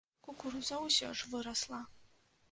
Кукуруза ўсё ж вырасла.